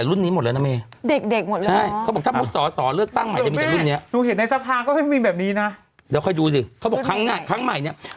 คุณพี่ชอบคนไหนถามมันเข้าไป